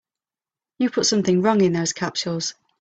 You put something wrong in those capsules.